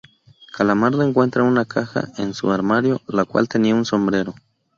Calamardo encuentra una caja en su armario, la cual tenía un sombrero.